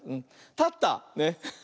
たった。ね。